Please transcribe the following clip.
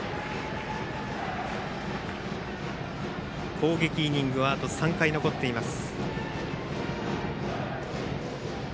攻撃イニングはあと３回残っています。